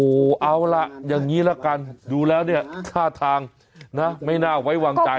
โอ้โหเอาล่ะอย่างนี้ละกันดูแล้วเนี่ยท่าทางนะไม่น่าไว้วางใจ